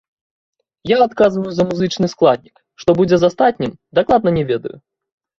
Я адказваю за музычны складнік, што будзе з астатнім, дакладна не ведаю.